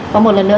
và một lần nữa